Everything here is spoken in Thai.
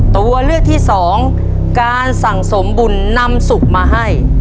ตัวเลือกที่สองการสั่งสมบุญนำสุขมาให้